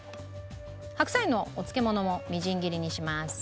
白菜のお漬物もみじん切りにします。